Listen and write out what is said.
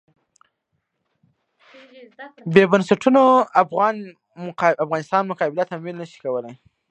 بې بنسټونو افغانستان مقابله تمویل نه شي کولای.